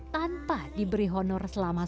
tanpa diberi honor selama